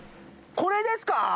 これですか